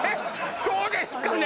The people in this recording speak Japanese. そうですかね